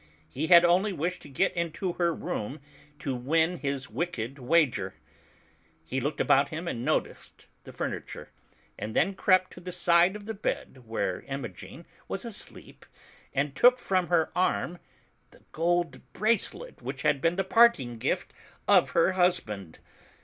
He had only wished to get into her room to win his wicked wager. He looked about him and noticed the furniture, and then crept to the side of the bed where Imogen was asleep and took from her arm the gold bracelet which had been the parting gift of her hus band.